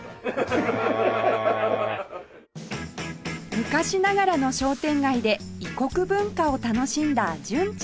昔ながらの商店街で異国文化を楽しんだ純ちゃん